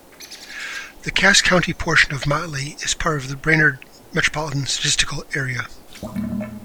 The Cass County portion of Motley is part of the Brainerd Micropolitan Statistical Area.